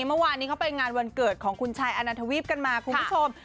เมื่อวานนี้เขาไปงานวันเกิดของคุณชายอานันทวีปกันมาคุณผู้ชม